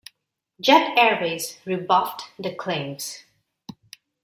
Jet Airways rebuffed the claims.